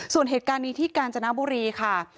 ส่วนเหตุการณ์นี้ที่กาญจนบุรีค่ะ